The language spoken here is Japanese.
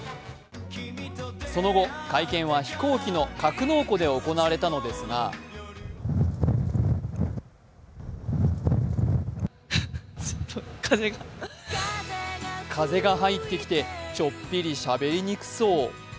その後、会見は飛行機の格納庫で行われたのですが風が入ってきて、ちょっぴりしゃべりにくそう。